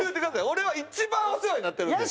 俺は一番お世話になってるんで。